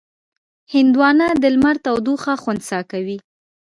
هندوانه د لمر تودوخه خنثی کوي.